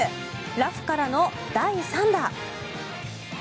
ラフからの第３打。